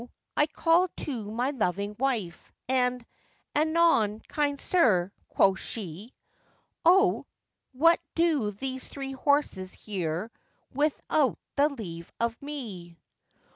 I called to my loving wife, and 'Anon, kind sir!' quoth she; 'O! what do these three horses here, without the leave of me?